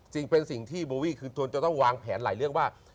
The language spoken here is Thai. เป็นสิ่งที่โบวี่คืนทนจะต้องวางแผนหลายเรื่องว่า